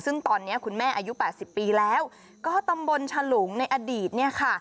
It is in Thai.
ซึ่งตอนนี้คุณแม่อายุ๘๐ปีแล้วก็ตำบลฉลุงในอดีตเนี่ยค่ะ